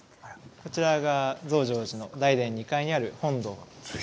こちらが増上寺の大殿２階にある本堂です。